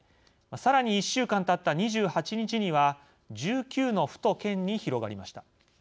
さらに１週間たった２８日には１９の府と県に広がりました。